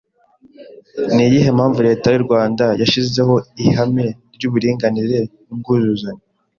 Ni iyihe impamvu Leta y’u Rwanda yashyizeho ihame ry’uburinganire n’ubwuzuzanye